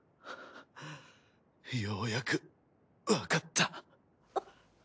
ようやくわかった。